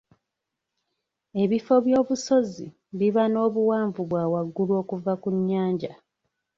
Ebifo eby'obusozi biba n'obuwanvu bwa waggulu okuva ku nyanja